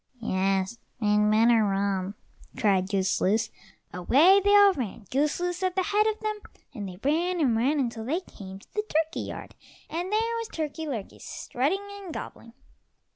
"Yes, we'd better run," cried Goose loose. Away they all ran, Goose loose at the head of them, and they ran and ran until they came to the turkey yard, and there was Turkey lurkey strutting and gobbling.